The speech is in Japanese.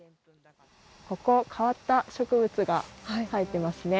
ここ変わった植物が生えてますね。